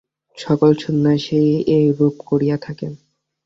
সকল সন্ন্যাসীই এইরূপ করিয়া থাকেন।